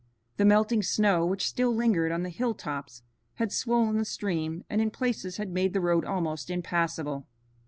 The melting snow which still lingered on the hilltops had swollen the stream and in places had made the road almost impassable.